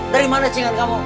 dari mana cingan kamu